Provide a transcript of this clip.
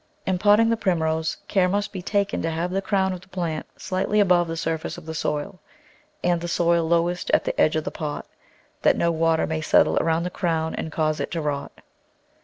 In potting the Primrose care must be taken to have the crown of the plant slightly above the surface of the soil and the soil lowest at the edge of the pot, that no water may settle around the crown and cause it to rot.